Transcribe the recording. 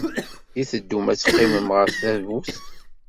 I teddum ad teqqimem ɣer tdabut?